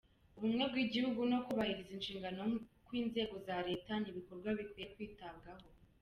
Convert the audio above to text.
Ubumwe bw’igihugu no kubahiriza inshingano kw’inzego za Leta ni ibikorwa bikwiye kwitabwaho.